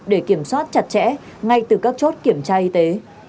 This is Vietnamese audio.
để kiểm soát chặt chẽ ngay từ các chốt kiểm tra y tế